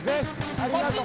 ありがとう！